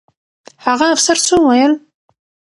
هغه افسر څه وویل؟